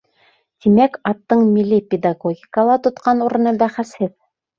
Тимәк, аттың милли педагогикала тотҡан урыны бәхәсһеҙ.